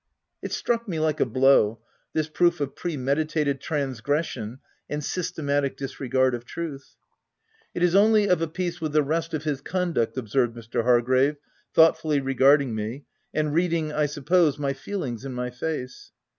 '' It struck me like a blow, this proof of pre meditated transgression and systematic disregard of truth. " It is only of a piece with the rest of his conduct/' observed Mr. Hargrave, thoughtfully regarding me, and reading, I suppose, my feel ings in my face.